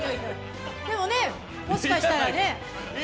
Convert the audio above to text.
でもね、もしかしたらね。